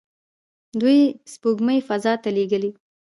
دوی سپوږمکۍ فضا ته لیږلي.